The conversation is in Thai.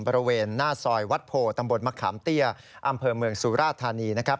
บริเวณหน้าซอยวัดโพตำบลมะขามเตี้ยอำเภอเมืองสุราธานีนะครับ